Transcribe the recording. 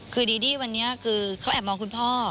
คือดีดี้วันนี้คือเขาแอบมองคุณพ่อ